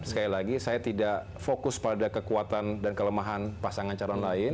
sekali lagi saya tidak fokus pada kekuatan dan kelemahan pasangan calon lain